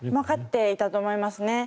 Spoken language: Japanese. わかっていたと思いますね。